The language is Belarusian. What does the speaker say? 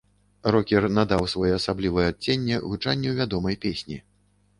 Рокер надаў своеасаблівае адценне гучанню вядомай песні.